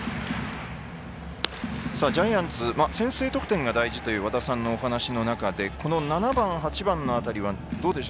ジャイアンツ先制得点が大事だという和田さんのお話がありましたが７番８番の辺りはどうですか。